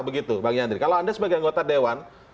begitu bang yandri kalau anda sebagai anggota dewan